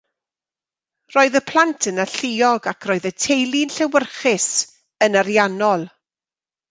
Roedd y plant yn alluog ac roedd y teulu'n llewyrchus, yn ariannol.